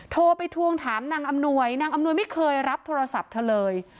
โทรไปทวงถามนางอำนวยนางอำนวยไม่เคยรับโทรศัพท์เธอเลย